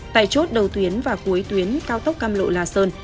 tại chốt đầu tuyến và cuối tuyến cao tốc cam lộ la sơn